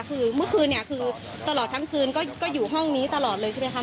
คือเมื่อคืนเนี่ยคือตลอดทั้งคืนก็อยู่ห้องนี้ตลอดเลยใช่ไหมคะ